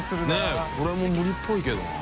佑これも無理っぽいけどな。